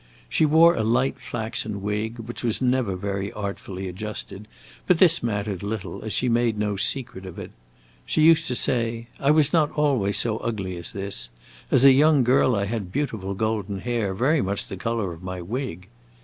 She wore a light flaxen wig, which was never very artfully adjusted, but this mattered little, as she made no secret of it. She used to say, "I was not always so ugly as this; as a young girl I had beautiful golden hair, very much the color of my wig."